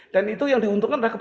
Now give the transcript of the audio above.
dan itu yang diuntungkan